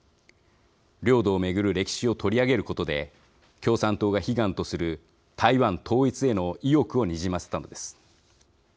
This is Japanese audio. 領土を巡る歴史を取り上げることで共産党が悲願とする台湾統一への意欲をにじませたのです。